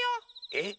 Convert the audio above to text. えっ？